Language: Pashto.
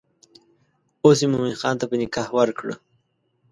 اوس یې مومن خان ته په نکاح ورکړه.